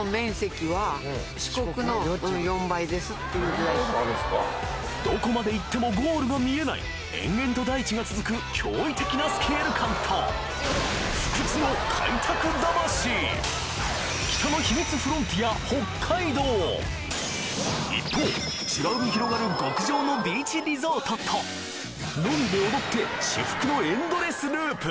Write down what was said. さらにどこまで行ってもゴールが見えない延々と大地が続く驚異的なスケール感と一方美ら海広がる極上のビーチリゾートと飲んで踊って至福のエンドレスループ！